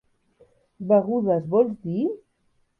Begudes, vols dir?